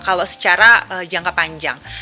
kalau secara jangka panjang